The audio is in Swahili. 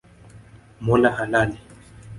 Mola halali